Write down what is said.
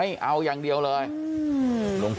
น่ารัก